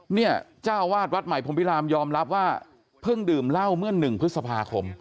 เนี่ยเจ้าวาดวัดใหม่พรมพิรามยอมรับว่าเพิ่งดื่มเหล้าเมื่อ๑พฤษภาคม